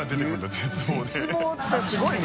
絶望」ってすごいね。